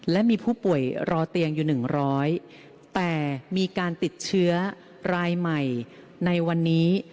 และมีผู้ป่วยรอเตียงอยู่๑๐๐แต่มีการติดเชื้อรายใหม่ในวันนี้